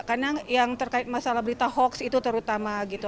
karena yang terkait masalah berita hoaks itu terutama gitu